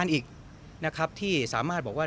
มีใครไปดึงปั๊กหรือว่า